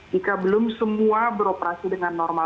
jika belum semua beroperasi dengan normal